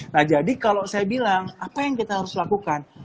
nah jadi kalau saya bilang apa yang kita harus lakukan